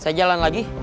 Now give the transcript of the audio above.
saya jalan lagi